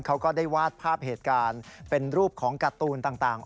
เขาก็ได้วาดภาพเหตุการณ์เป็นรูปของการ์ตูนต่าง